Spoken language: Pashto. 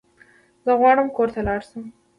زه غواړم کور ته لاړ شم